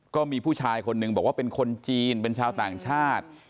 ก็มีผู้ชายคนหนึ่งบอกว่าเป็นคนจีนเป็นชาวต่างชาติ